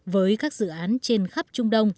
với các dự án trên khắp trung đông